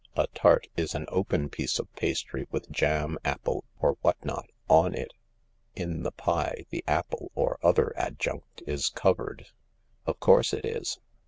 A tart is an open piece of pastry with jam, apple, or what not on it. In the pie the apple or other adjunct is covered." " Of course it is."